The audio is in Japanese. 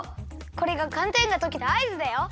これがかんてんがとけたあいずだよ。